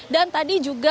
dan tadi juga